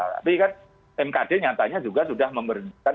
tapi kan mkd nyatanya juga sudah memberhentikan